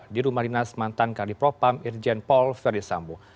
di rumah dinas mantan kali propam irjen paul ferdisambu